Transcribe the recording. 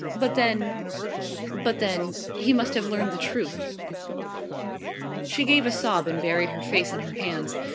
But then but then he must have learned the truth!" She gave a sob and buried her face in her hands.